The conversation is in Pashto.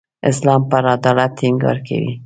اسلام پر عدالت ټینګار کوي.